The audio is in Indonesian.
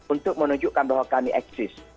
untuk menunjukkan bahwa kami eksis